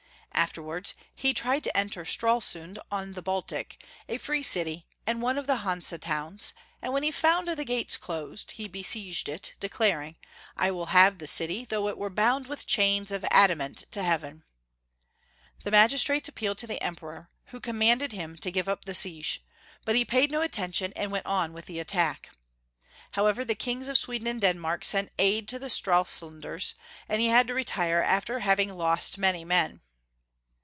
Afterwards, he tried to enter Stralsund on the Bal tic, a free city, and one of the Hanse towns, and when he found the gates closed, he besieged it, de claring, " I will have the city, though it were bound with chains of adamant to heaven." The magis Ferdinand U. 841 trates appealed to the Emperor, who commanded him to give up the siege, but he paid no attention, and went on with the attack. However, tlie Kings of Sweden and Denmark sent aid to the Stralsun ders, and he had to retire, after having lost many men.